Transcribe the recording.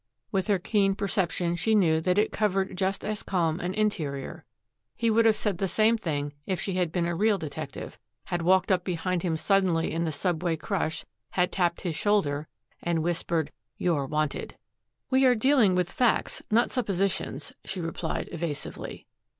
With her keen perception she knew that it covered just as calm an interior. He would have said the same thing if she had been a real detective, had walked up behind him suddenly in the subway crush, had tapped his shoulder, and whispered, "You're wanted." "We are dealing with facts, not suppositions," she replied evasively.